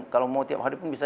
kalau mau tiap hari pun bisa